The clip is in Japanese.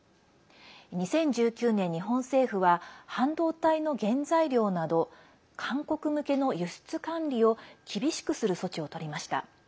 ２０１９年、日本政府は半導体の原材料など韓国向けの輸出管理を厳しくする措置をとりました。